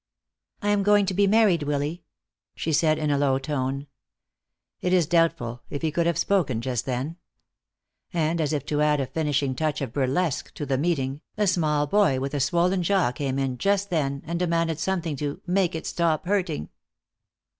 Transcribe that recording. "I am going to be married, Willy," she said, in a low tone. It is doubtful if he could have spoken, just then. And as if to add a finishing touch of burlesque to the meeting, a small boy with a swollen jaw came in just then and demanded something to "make it stop hurting."